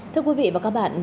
thưa quý vị và các bạn